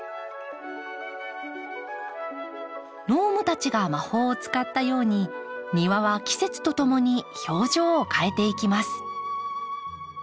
ノームたちが魔法を使ったように庭は季節とともに表情を変えていきます。